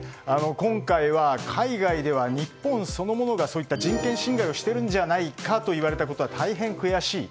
今回は、海外では日本そのものが、人権侵害をしているんじゃないかといわれたことは大変悔しい。